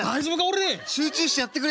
集中してやってくれ。